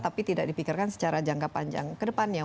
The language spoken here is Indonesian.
tapi tidak dipikirkan secara jangka panjang ke depannya